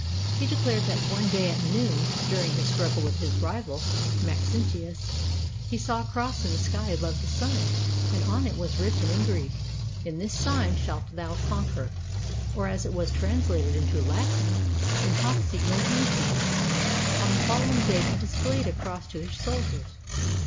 He declared that one day at noon, during his struggle with his rival, Maxen tius, he saw a cross in the sky above the sun, and on it was written, in Greek, In this sign shall thou conquer, or, as it was translated into Latin, In hoc signo vinces. On the following day, he displayed a cross to his soldiers.